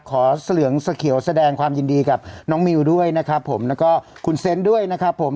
เสือเหลืองสะเขียวแสดงความยินดีกับน้องมิวด้วยนะครับผมแล้วก็คุณเซนต์ด้วยนะครับผม